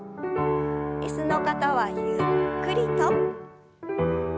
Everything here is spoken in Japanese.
椅子の方はゆっくりと。